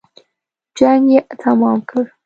جنګ یې تمام کړ.